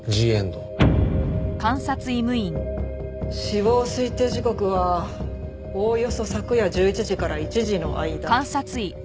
死亡推定時刻はおおよそ昨夜１１時から１時の間。